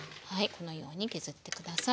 このように削って下さい。